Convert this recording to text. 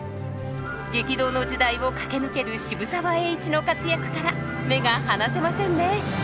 激動の時代を駆け抜ける渋沢栄一の活躍から目が離せませんね。